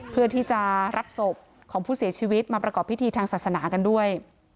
เพื่อที่จะรับศพของผู้เสียชีวิตมาประกอบพิธีทางศาสนากันด้วย